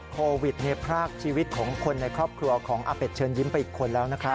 โควิดพรากชีวิตของคนในครอบครัวของอาเป็ดเชิญยิ้มไปอีกคนแล้วนะครับ